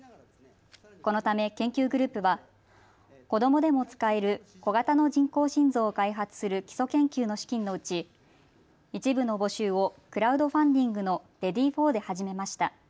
このため研究グループは子どもでも使える小型の人工心臓を開発する基礎研究の資金のうち一部の募集をクラウドファンディングのＲＥＡＤＹＦＯＲで始めました。